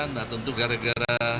nah tentu gara gara